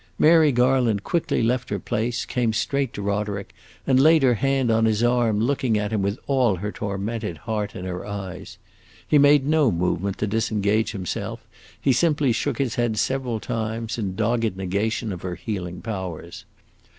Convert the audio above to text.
Mary Garland quickly left her place, came straight to Roderick, and laid her hand on his arm, looking at him with all her tormented heart in her eyes. He made no movement to disengage himself; he simply shook his head several times, in dogged negation of her healing powers.